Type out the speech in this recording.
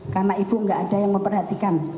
karena ibu tidak ada yang memperhatikan